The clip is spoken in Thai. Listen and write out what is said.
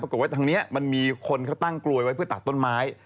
ว่าทางนี้มันมีคนเขาตั้งกลวยไว้เพื่อตัดต้นไม้